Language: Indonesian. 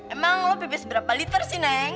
emang lo bebas berapa liter sih neng